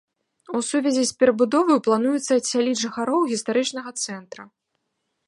У сувязі з перабудоваю плануецца адсяліць жыхароў гістарычнага цэнтра.